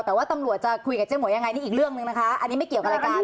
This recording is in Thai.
แต่ว่าตำรวจจะคุยกับเจ๊หมวยยังไงนี่อีกเรื่องหนึ่งนะคะอันนี้ไม่เกี่ยวกับรายการ